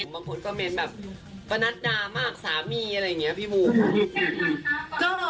บางคนคอมเม้นต์แบบประนัดดามมากสามีอะไรอย่างเงี้ยพี่บุค